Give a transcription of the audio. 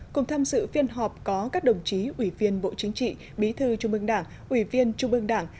cùng tham dự phiên họp có các đồng chí ủy viên bộ chính trị bí thư trung ương đảng ủy viên trung ương đảng